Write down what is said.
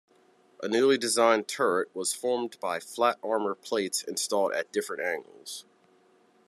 A newly designed turret was formed by flat armour plates installed at different angles.